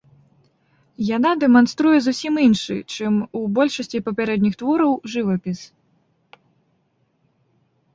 Яна дэманструе зусім іншы, чым у большасці папярэдніх твораў, жывапіс.